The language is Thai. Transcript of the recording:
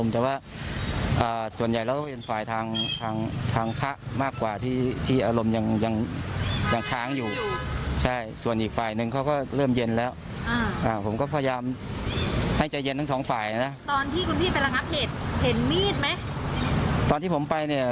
ตอนที่คุณพี่ไปแล้วเห็นมีดไหม